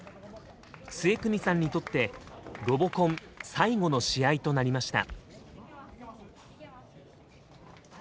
陶國さんにとってロボコン最後の試合となりました。